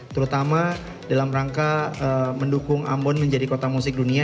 terutama dalam rangka mendukung ambon menjadi kota musik dunia